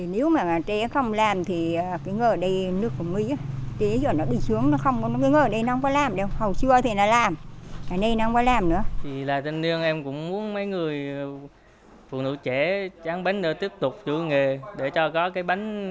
nếu mà trẻ không làm thì người ở đây